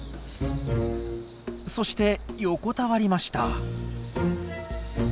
そして横たわりました。